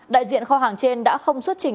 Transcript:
đại diện kho hàng trên đã không xuất trình